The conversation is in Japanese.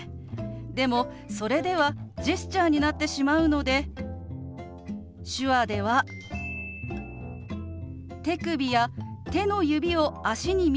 でもそれではジェスチャーになってしまうので手話では手首や手の指を足に見立てて表すんですよ。